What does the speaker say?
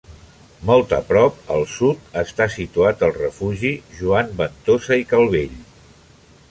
Molt a prop, al sud, està situat el refugi Joan Ventosa i Calvell.